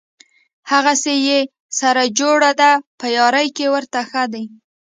هغسې یې سره جوړه ده په یاري کې ورته ښه دي.